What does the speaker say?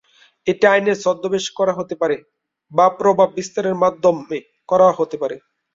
এটি আইনের ছদ্মবেশে করা হতে পারে বা প্রভাব বিস্তারের মাধ্যমে করা হতে পারে।